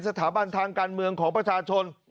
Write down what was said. สถาบันทางการเมืองของประชาชน